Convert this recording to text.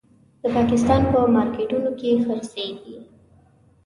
د پاکستان په مارکېټونو کې خرڅېږي.